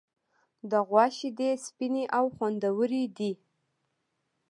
د غوا شیدې سپینې او خوندورې دي.